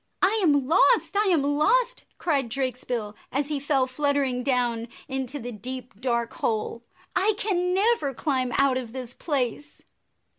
"I am lost! I am lost!" cried Drakesbill, as he fell fluttering down into the deep, dark hole. " I can never climb out of this place